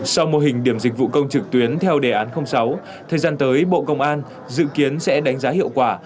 sau mô hình điểm dịch vụ công trực tuyến theo đề án sáu thời gian tới bộ công an dự kiến sẽ đánh giá hiệu quả